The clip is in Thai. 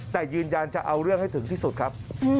แต่ยืนยันจะเอาเรื่องให้ถึงที่สุดครับ